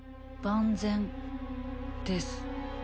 万全です。